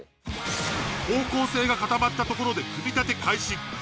方向性が固まったところで組み立て開始。